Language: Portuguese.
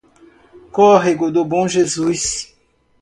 Córrego do Bom Jesus